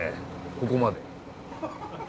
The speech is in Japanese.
ここまで。